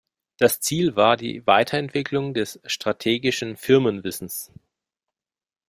Das Ziel war die Weiterentwicklung des strategischen Firmen-Wissens.